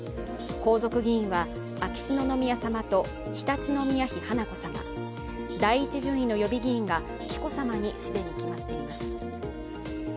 皇族議員は秋篠宮さまと常陸宮妃華子さま、第１順位の予備議員が紀子さまに既に決まっています。